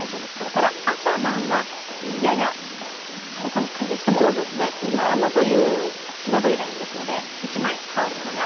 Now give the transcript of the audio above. ただ、朝晩は肌寒く感じる人もいるかもという感じですので、一枚羽織るものが